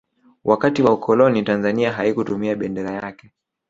wakati wa ukoloni tanzania haikutumia bendera yake